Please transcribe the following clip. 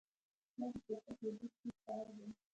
دا د شرکت یو بشپړ شعار دی